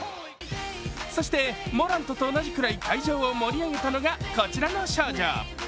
そして、モラントと同じくらい会場を盛り上げたのがこちらの少女。